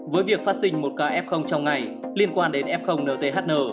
với việc phát sinh một k f trong ngày liên quan đến f nthn